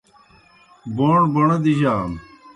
بَوݨ بَوݨہ دِجَانَوْ۔